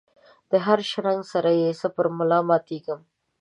دهر شرنګ سره یې زه پر ملا ماتیږم